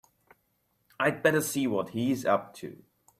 I'd better see what he's up to.